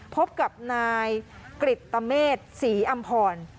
พบกับนายกริตเตมเมติศรีอำผ่อน